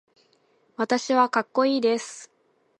私はかっこいいです。